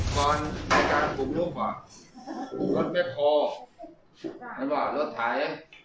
ก่อนไม่การขุมลูกหรอรถไม่พอมันว่ารถถ่าย